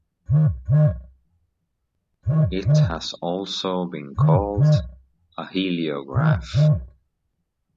It has also been called a heliograph.